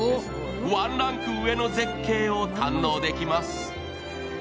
ワンランク上の絶景を堪能できます。